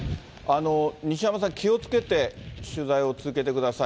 西山さん、気をつけて取材を続けてください。